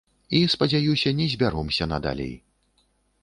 І, спадзяюся, не збяромся надалей.